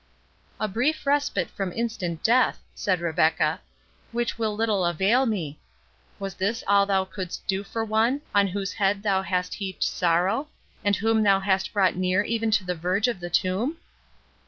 "A brief respite from instant death," said Rebecca, "which will little avail me—was this all thou couldst do for one, on whose head thou hast heaped sorrow, and whom thou hast brought near even to the verge of the tomb?"